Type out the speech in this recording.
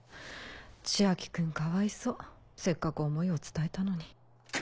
千昭君かわいそうせっかく思いを伝えたのに。